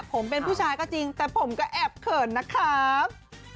ผมเป็นผู้ชายก็จริงแต่ผมก็แอบเขินนะครับ